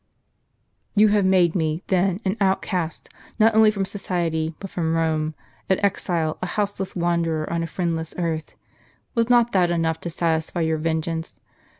"Ton have made me, then, an outcast, not only from society but from Kome, an exile, a houseless wanderer on a friendless earth ; was not that enough to satisfy your venge ance?